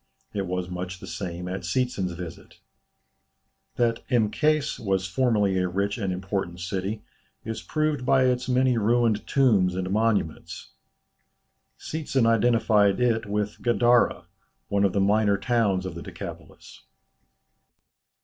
It was much the same at Seetzen's visit. That Mkês was formerly a rich and important city, is proved by its many ruined tombs and monuments. Seetzen identified it with Gadara, one of the minor towns of the Decapolis.